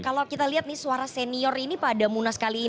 kalau kita lihat nih suara senior ini pada munas kali ini